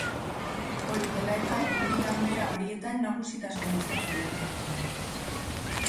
Hori dela eta, bi ganbera horietan nagusitasuna izaten jarraituko du.